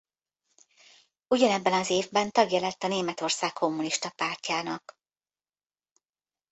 Ugyanebben az évben tagja lett a Németország Kommunista Pártjának.